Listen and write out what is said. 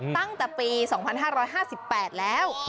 ตั้งแต่ปี๒๕๕๘แล้ว